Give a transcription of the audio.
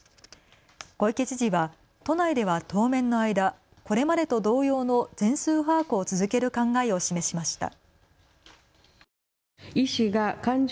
小池知事は都内では当面の間、これまでと同様の全数把握を続ける考えを示しました。